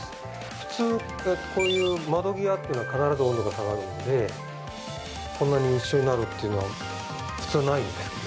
普通こういう窓際っていうのは必ず温度が下がるのでこんなに一緒になるっていうのは普通ないんですけど。